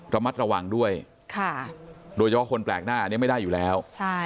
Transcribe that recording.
ระมัดระวังด้วยโดยเฉพาะคนแปลกหน้าอันนี้ไม่ได้อยู่แล้ว